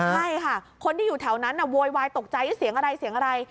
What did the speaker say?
ใช่ค่ะคนที่อยู่แถวนั้นน่ะโวยวายตกใจเสียงอะไร